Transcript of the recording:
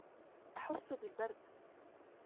أحس بالبرد.